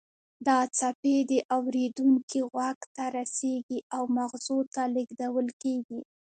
دا څپې د اوریدونکي غوږ ته رسیږي او مغزو ته لیږدول کیږي